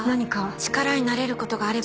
力になれる事があれば。